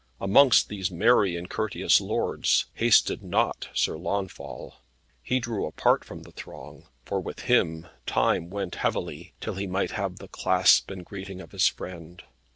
Amongst these merry and courteous lords hasted not Sir Launfal. He drew apart from the throng, for with him time went heavily, till he might have clasp and greeting of his friend.